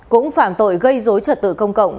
cũng phạm tội gây rối trật tự công cộng